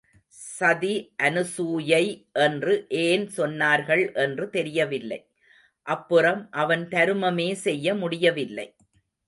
சதி அனுசூயை என்று ஏன் சொன்னார்கள் என்று தெரியவில்லை. அப்புறம் அவன் தருமமே செய்ய முடியவில்லை.